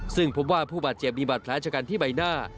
ซึ่งพบว่าผู้บาดเจ็บมีบาดแผลชะกันที่ใบหน้า